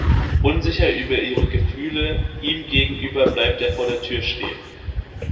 Unsicher über ihre Gefühle ihm gegenüber bleibt er vor der Tür stehen.